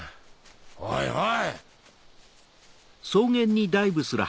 おいおい！